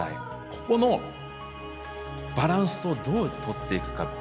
ここのバランスをどうとっていくか。